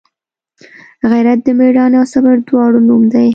غیرت د میړانې او صبر دواړو نوم دی